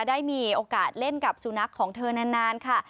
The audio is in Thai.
ได้มีโอกาสเล่นกับสุนัขของเธอนานค่ะ